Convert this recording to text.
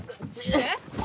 えっ？